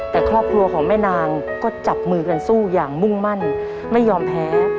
แต่ครอบครัวของแม่นางก็จับมือกันสู้อย่างมุ่งมั่นไม่ยอมแพ้